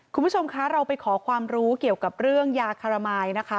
คุณผู้ชมคะเราไปขอความรู้เกี่ยวกับเรื่องยาคารมายนะคะ